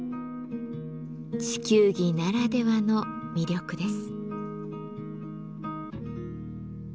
地球儀ならではの魅力です。